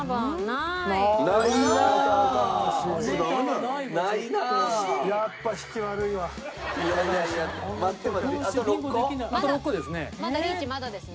あと６個ですね。